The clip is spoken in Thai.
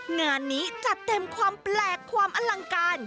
งานนี้จัดเต็มความแปลกความอลังการ